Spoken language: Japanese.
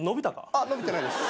あっ伸びてないです。